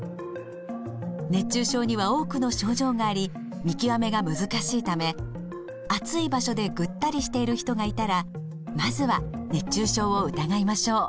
熱中症には多くの症状があり見極めが難しいため暑い場所でぐったりしている人がいたらまずは熱中症を疑いましょう。